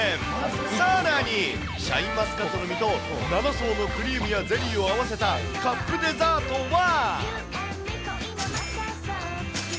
さらに、シャインマスカットの実と、７層のクリームやゼリーを合わせたカップデザートは。